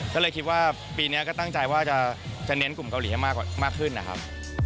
ก็เลยคิดว่าปีนี้ก็ตั้งใจว่าจะเน้นกลุ่มเกาหลีให้มากขึ้นนะครับ